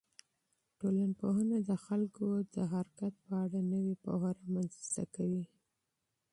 ټولنپوهنه د خلکو د رفتار په اړه نوې پوهه رامنځته کوي.